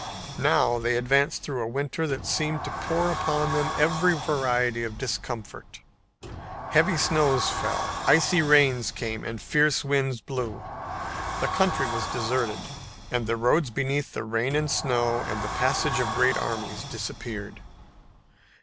Now they advanced through a winter that seemed to pour upon them every variety of discomfort. Heavy snows fell, icy rains came and fierce winds blew. The country was deserted, and the roads beneath the rain and snow and the passage of great armies disappeared.